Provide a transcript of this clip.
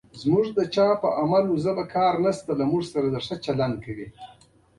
ستا د دوو لاسونو تلاوت وکړ